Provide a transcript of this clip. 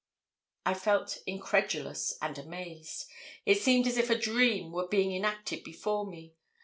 I felt incredulous and amazed; it seemed as if a dream were being enacted before me.